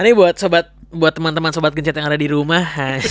ini buat teman teman sobat gencet yang ada di rumah